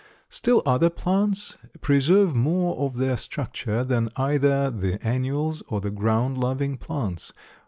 Still other plants preserve more of their structures than either the annuals or the ground loving plants.